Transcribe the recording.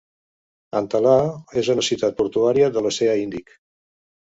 Antalaha és una ciutat portuària de l'oceà Índic.